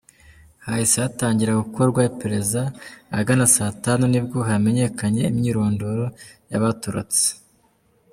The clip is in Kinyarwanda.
Hahise hatangira gukorwa iperereza, ahagana saa tanu nibwo hamenyekanye imyirondoro y’abatorotse.”